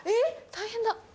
大変だ。